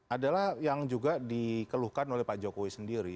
adalah yang juga dikeluhkan oleh pak jokowi sendiri